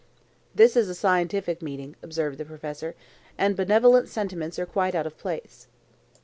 "This is a scientific meeting," observed the professor; "and benevolent sentiments are quite out of place.